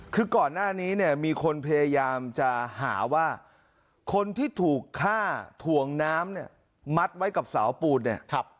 คือก่อนหน้านี้เนี่ยมีคนพยายามจะหาว่าคนที่ถูกฆ่าถ่วงน้ำเนี่ยมัดไว้กับเสาปูนเนี่ย